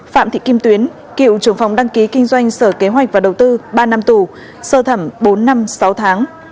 phạm thị kim tuyến cựu trưởng phòng đăng ký kinh doanh sở kế hoạch và đầu tư ba năm tù sơ thẩm bốn năm sáu tháng